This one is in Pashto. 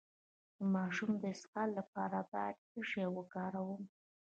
د ماشوم د اسهال لپاره باید څه شی وکاروم؟